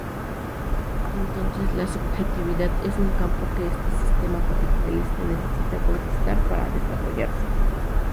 Entonces, la subjetividad es un campo que este sistema capitalista necesita conquistar para desarrollarse.